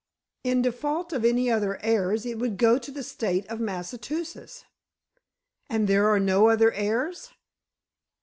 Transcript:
"In default of any other heirs, it would go to the State of Massachusetts." "And there are no other heirs?"